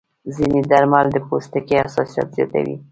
ځینې درمل د پوستکي حساسیت زیاتوي.